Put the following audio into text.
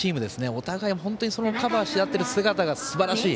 お互いカバーし合ってる姿がすばらしい。